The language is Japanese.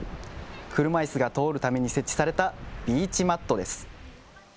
車いすが通るために設置されたビーチマットです。